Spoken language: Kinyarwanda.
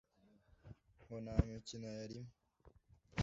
ngo nta mikino yarimo